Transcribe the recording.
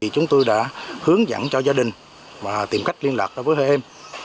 chúng tôi đã hướng dẫn cho gia đình và tìm cách liên lạc với hai em